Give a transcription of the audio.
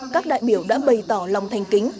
các đại biểu đã bày tỏ lòng thành kính